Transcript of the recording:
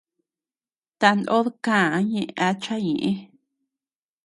Tanod káa ñe acha ñeʼë.